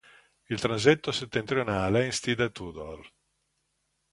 Il transetto settentrionale è in stile Tudor.